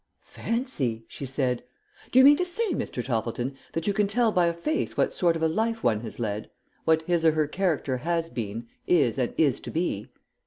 "Fancy!" she said. "Do you mean to say, Mr. Toppleton, that you can tell by a face what sort of a life one has led; what his or her character has been, is, and is to be?"